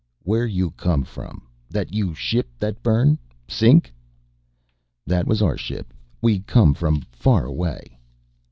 "Where you come from? That you ship that burn, sink?" "That was our ship. We come from far away."